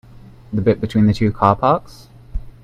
The bit between the two car parks?